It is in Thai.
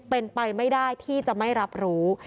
เป็นไปไม่ได้ที่จะไม่รับรู้